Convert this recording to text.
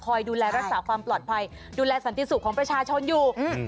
ดูแลรักษาความปลอดภัยดูแลสันติสุขของประชาชนอยู่อืม